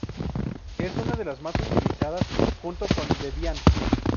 Es una de las más utilizadas junto con Debian.